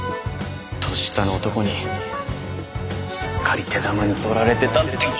年下の男にすっかり手玉に取られてたってことか！